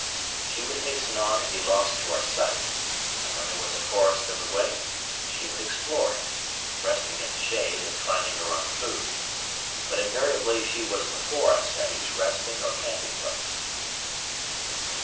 She would hasten on and be lost to our sight, and when there was a forest in the way she would explore it, resting in the shade and finding her own food; but invariably she was before us at each resting or camping place.